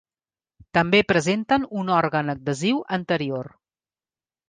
També presenten un òrgan adhesiu anterior.